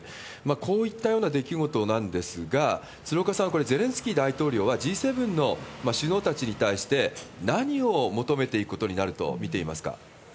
こういったような出来事なんですが、鶴岡さん、これ、ゼレンスキー大統領は、Ｇ７の首脳たちに対して、何を求めていくことになると見ていますか？